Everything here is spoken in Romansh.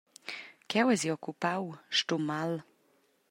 Cheu eisi occupau, stun mal.